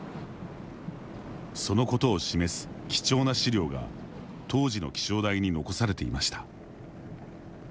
そのことを示す貴重な資料が当時の気象台に残されていました。